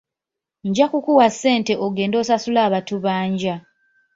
Nja kukuwa ssente ogende osasule abatubanja.